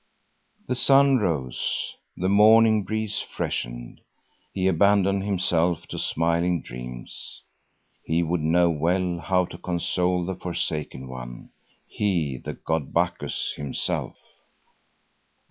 The sun rose, the morning breeze freshened. He abandoned himself to smiling dreams. He would know well how to console the forsaken one; he, the god Bacchus himself.